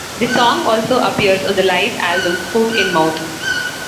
The song also appears on the live album "Foot in Mouth".